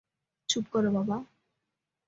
চুপ কর বাবা।